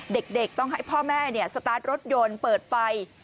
เด็กเด็กต้องให้พ่อแม่เนี่ยสตาร์ทรถยนต์เปิดไฟ